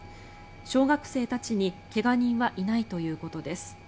小学生たちに怪我人はいないということです。